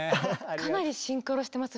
かなりシンクロしてます